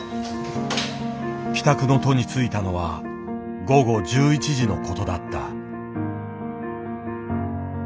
帰宅の途に就いたのは午後１１時のことだった。